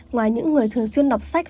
ngoài những người thường xuyên đọc sách